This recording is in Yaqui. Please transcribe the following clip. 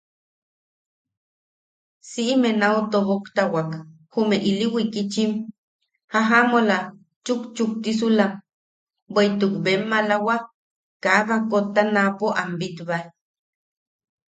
Siʼime nau toboktawak jume ili wikitchim jajamola chukchuktisulam, bweʼituk bem malawa kaa baakotta naapo am bitbae.